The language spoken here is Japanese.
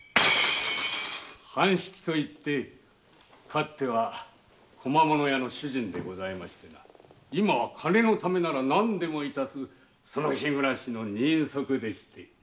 半七という昔小間物屋の主人でございましたが今は金のためなら何でもするその日暮らしの人足でして。